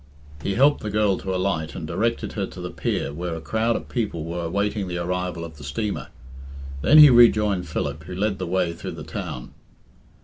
He helped the girl to alight, and directed her to the pier, where a crowd of people' were awaiting the arrival of the steamer. Then he rejoined Philip, who led the way through the town.